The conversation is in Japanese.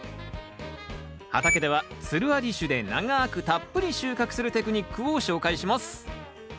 畑ではつるあり種で長くたっぷり収穫するテクニックを紹介します